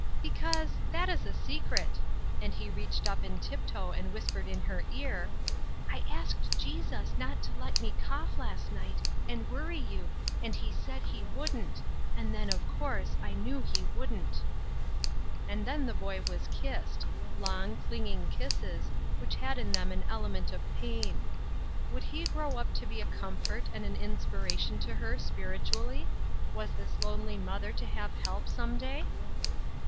" "Because — that is a secret;" and he reached up on tiptoe and whispered in her ear :" I asked Jesus not to let me cough last night, and worry you, and he said he wouldn't ; and then, of course, I knew he wouldn't." And then the boy was kissed ; long, clinging kisses, which had in them an element of pain. Would he grow up to be a comfort, and an inspi ration to her, spiritually ? Was this lonely mother to have help, some day